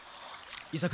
伊作。